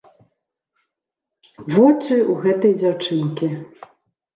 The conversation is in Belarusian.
Вочы ў гэтай дзяўчынкі.